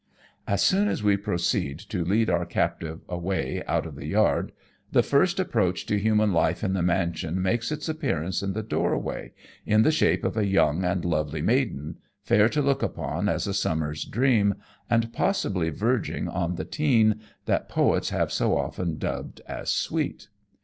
As soon as we proceed to lead our captive away out of the yard, the first approach to human life in the mansion makes its appearance in the doorway, in the shape of a young and lovely maiden, fair to look upon as a summer's dream, and possibly verging on the teen that poets have so often dubbed as sweet.